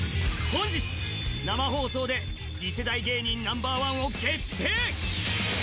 本日、生放送で次世代芸人ナンバーワンを決定。